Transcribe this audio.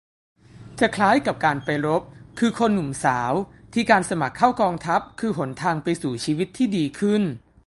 จะคล้ายกับการไปรบ คือ "คนหนุ่มสาว" ที่การสมัครเข้ากองทัพคือหนทางไปสู่ชีวิตที่ดีขึ้น